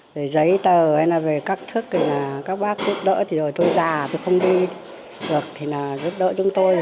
về giấy tờ hay là về các thức thì là các bác giúp đỡ thì rồi tôi già tôi không đi được thì là giúp đỡ chúng tôi